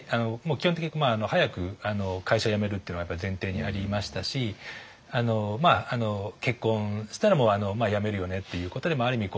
基本的に早く会社を辞めるっていうのが前提にありましたし結婚したら辞めるよねっていうことである意味